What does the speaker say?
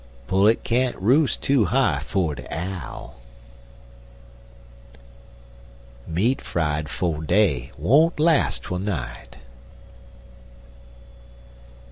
Pullet can't roost too high for de owl. Meat fried 'fo' day won't las' twel night.